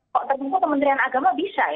kok terdengar kementerian agama bisa